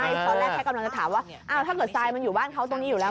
ตอนแรกแค่กำลังจะถามว่าอ้าวถ้าเกิดทรายมันอยู่บ้านเขาตรงนี้อยู่แล้ว